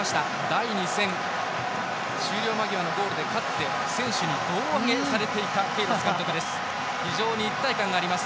第２戦、終了間際のゴールで勝って選手に動転されていたケイロス監督です。